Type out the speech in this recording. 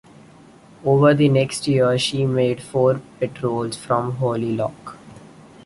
Over the next year, she made four patrols from Holy Loch.